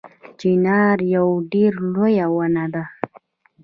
چنار یوه ډیره لویه ونه ده